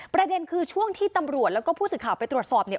ประเด็นคือช่วงที่ตำรวจแล้วก็ผู้สื่อข่าวไปตรวจสอบเนี่ย